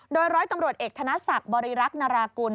โดยร้อยตำรวจเอกธนศักดิ์บริรักษ์นารากุล